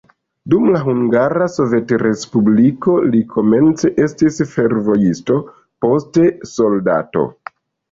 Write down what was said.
Dum la Hungara Sovetrespubliko li komence estis fervojisto, poste soldato.